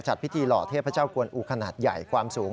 จัดพิธีหล่อเทพเจ้ากวนอูขนาดใหญ่ความสูง